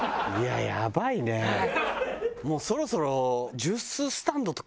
もうそろそろ。